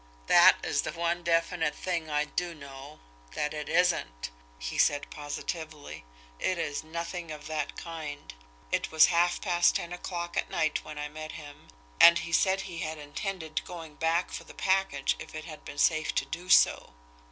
"That is the one definite thing I do know that it isn't!" he said positively. "It is nothing of that kind. It was half past ten o'clock at night when I met him, and he said that he had intended going back for the package if it had been safe to do so.